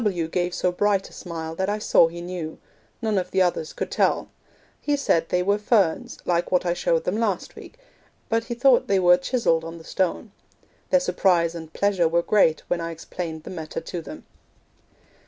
W. gave so bright a smile that I saw he knew; none of the others could tell; he said they were ferns, like what I showed them last week, but he thought they were chiselled on the stone. Their surprise and pleasure were great when I explained the matter to them.